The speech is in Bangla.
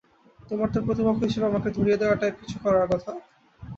তোমার তো প্রতিপক্ষ হিসেবে আমাকে ধরিয়ে দেয়া টাইপ কিছু করার কথা?